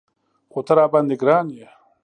خو ته راباندې ګران یې.